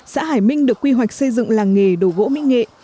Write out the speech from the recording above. xã hải minh được quy hoạch xây dựng làng nghề đổ gỗ mỹ nghệ